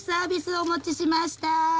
お持ちしました。